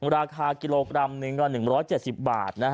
ราคากิโลกรัมหนึ่งก็๑๗๐บาท